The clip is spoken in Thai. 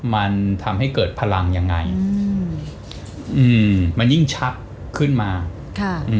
มันทำให้เกิดพลังยังไงมันยิ่งชักขึ้นมา